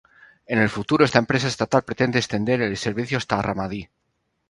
En el futuro, esta empresa estatal pretende extender el servicio hasta Ramadi.